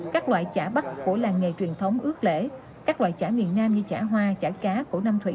các loại chả bắp của làng nghề truyền thống ước lễ các loại chả miền nam như chả hoa chả cá của nam thủy